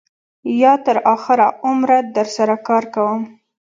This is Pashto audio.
یا تر آخره عمره در سره کار کوم.